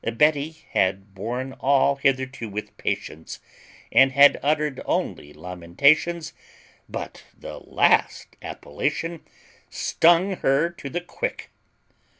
Betty had borne all hitherto with patience, and had uttered only lamentations; but the last appellation stung her to the quick.